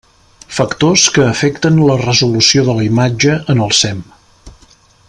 Factors que afecten la resolució de la imatge en el SEM.